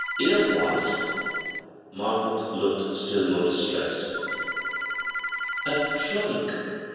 i " In a — wha at ?" Margaret looked still more distressed. •' A trunk.